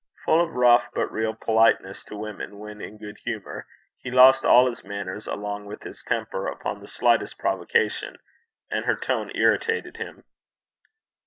Full of rough but real politeness to women when in good humour, he lost all his manners along with his temper upon the slightest provocation, and her tone irritated him.